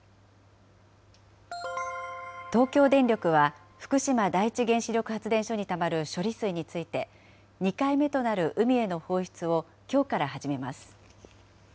東京電力は、福島第一原子力発電所にたまる処理水について、２回目となる海への放出をきょうから始めます。